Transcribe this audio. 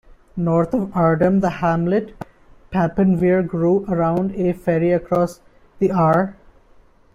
North of Aardam, the hamlet Papenveer grew around a ferry across the Aar.